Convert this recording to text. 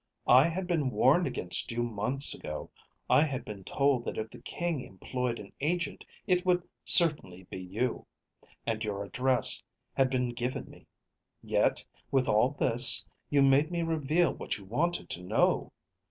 I had been warned against you months ago. I had been told that, if the King employed an agent, it would certainly be you. And your address had been given me. Yet, with all this, you made me reveal what you wanted to know.